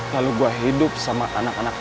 lalu gue hidup sama anak anak